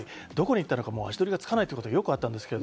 どこに行ったか足取りがつかめないということはよくあった。